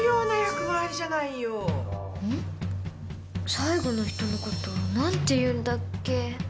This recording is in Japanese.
最後の人のこと何て言うんだっけ？